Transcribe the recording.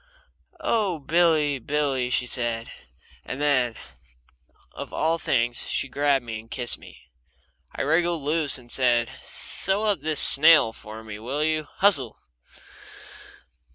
"Oh, Billy, Billy!" she said, and then, of all things, she grabbed me and kissed me. I wriggled loose, and I said: "Sew up this sail for me, will you? Hustle!"